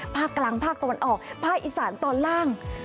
ภาคกลางภาคตะวันออกภาคอีสานตอนล่าง